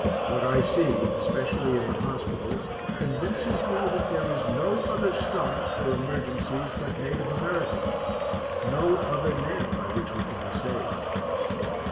What I see, especially in the hospitals, convinces me that there is no other stock, for emergencies, but native American no other name by which we can be saved.)